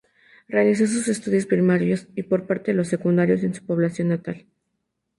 Realizó sus estudios primarios y parte de los secundarios en su población natal.